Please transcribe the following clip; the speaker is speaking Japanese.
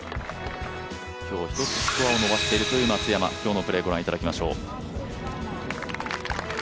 今日１つスコアを伸ばしているという松山、今日のプレー、ご覧いただきましょう。